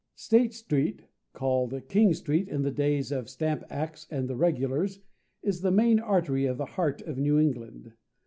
STATE STREET, called King Street in the days of Stamp acts and "the Regulars," is the main artery of the heart of New England.